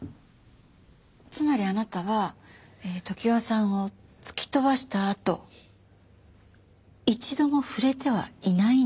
つまりあなたは常盤さんを突き飛ばしたあと一度も触れてはいないんですね？